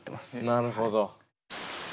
なるほど。